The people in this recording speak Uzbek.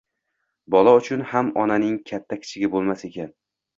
Bola uchun ham onaning katta-kichigi bo‘lmas ekan.